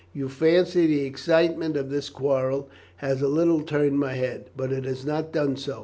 "You fancy the excitement of this quarrel has a little turned my head. But it has not done so.